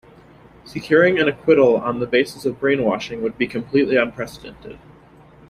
Securing an acquittal on the basis of brainwashing would be completely unprecedented.